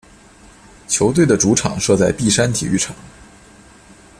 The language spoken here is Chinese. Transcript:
球队的主场设在碧山体育场。